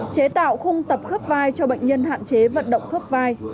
chế tạo khung tập khớp vai cho bệnh nhân hạn chế vận động khớp vai